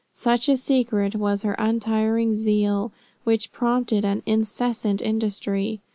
Such a secret was her untiring zeal, which prompted an incessant industry.